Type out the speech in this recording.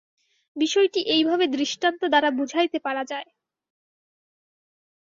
বিষয়টি এইভাবে দৃষ্টান্ত দ্বারা বুঝাইতে পারা যায়।